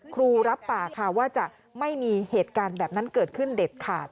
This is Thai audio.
ครูรับปากค่ะว่าจะไม่มีเหตุการณ์แบบนั้นเกิดขึ้นเด็ดขาด